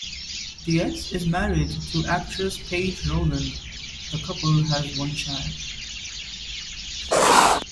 Dietz is married to actress Paige Rowland; the couple has one child.